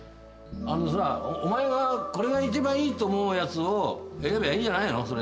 あのさお前がこれが一番いいと思うやつを選べばいいんじゃないの？